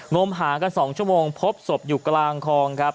มหากัน๒ชั่วโมงพบศพอยู่กลางคลองครับ